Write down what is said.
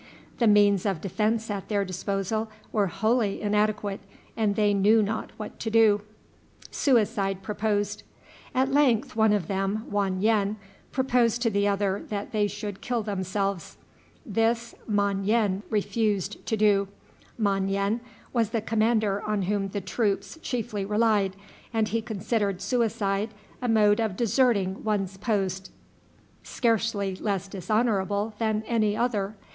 The means of defense at their disposal were wholly inadequate, and they knew not what to do. At length one of them, Wan yen, proposed to the other that they should kill themselves. This Mon yen refused to do. Mon yen was the commander on whom the troops chiefly relied, and he considered suicide a mode of deserting one's post scarcely less dishonorable than any other.